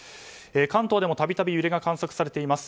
関東でも度々揺れが観測されています。